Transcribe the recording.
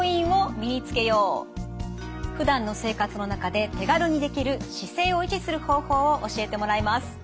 ふだんの生活の中で手軽にできる姿勢を維持する方法を教えてもらいます。